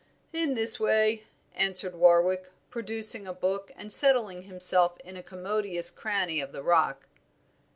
"In this way," answered Warwick, producing a book and settling himself in a commodious cranny of the rock.